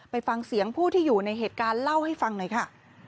ไปฟังเสียงผู้ที่อยู่ในเหตุการณ์เล่าให้ฟังหน่อยค่ะ